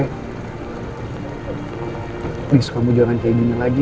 terus kamu jangan kayak gini lagi